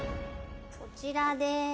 「こちらです。